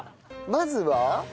まずは？